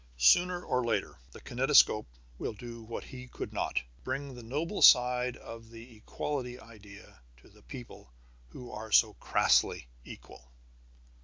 Sooner or later the kinetoscope will do what he could not, bring the nobler side of the equality idea to the people who are so crassly equal.